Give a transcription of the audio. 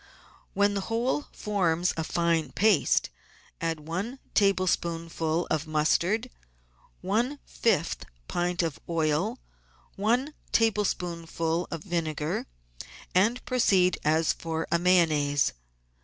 When the whole forms a fine paste, add one tablespoonful of mustard, one fifth pint of oil, one tablespoonful of vinegar, and proceed as for a Mayonnaise.